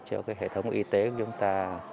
cho cái hệ thống y tế của chúng ta